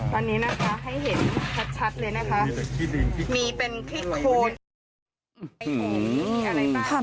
มีเป็นขี้โค้ง